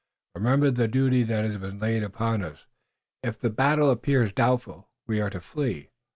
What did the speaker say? Remember the duty that has been laid upon us. If the battle appears doubtful we are to flee."